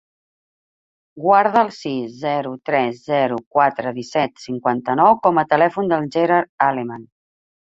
Guarda el sis, zero, tres, zero, quatre, disset, cinquanta-nou com a telèfon del Gerard Aleman.